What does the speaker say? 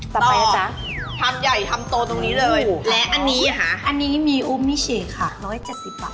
ต่อทำใหญ่ทำโตตรงนี้เลยและอันนี้ฮะอันนี้มีอุ้มไม่เฉยค่ะร้อยเจ็ดสิบบาท